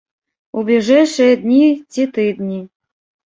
У бліжэйшыя дні ці тыдні.